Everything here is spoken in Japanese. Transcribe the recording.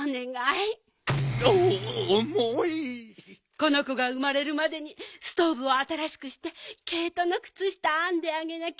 このこがうまれるまでにストーブをあたらしくしてけいとのくつしたあんであげなきゃ。